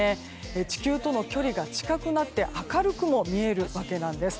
地球との距離が近くなって明るくも見えるわけなんです。